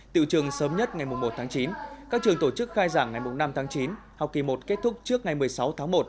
tiểu trường sớm nhất ngày một tháng chín các trường tổ chức khai giảng ngày năm tháng chín học kỳ một kết thúc trước ngày một mươi sáu tháng một